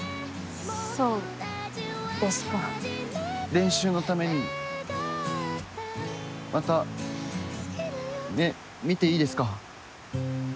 練習のためにまた目見ていいですか？